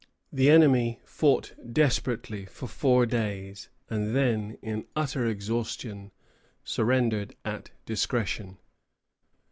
The enemy fought desperately for four days, and then, in utter exhaustion, surrendered at discretion.